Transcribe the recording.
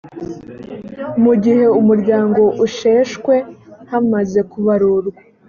mu gihe umuryango usheshwe hamaze kubarurwa